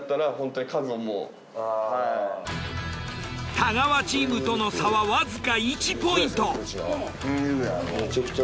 太川チームとの差はわずか１ポイント。